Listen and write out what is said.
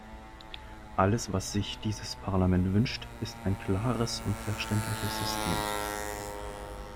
Alles, was sich dieses Parlament wünscht, ist ein klares und verständliches System.